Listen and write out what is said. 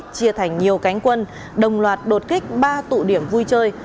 chia thành nhiều cánh quân đồng loạt đột kích ba tụ điểm vui chơi